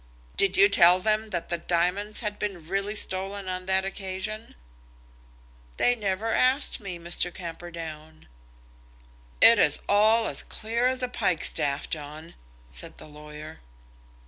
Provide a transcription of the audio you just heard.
"Did you tell them that the diamonds had been really stolen on that occasion?" "They never asked me, Mr. Camperdown." "It is all as clear as a pike staff, John," said the lawyer.